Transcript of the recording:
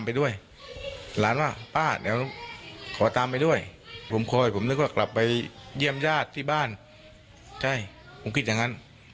ครับว่าจะตามหาหรือได้ไปรับทำ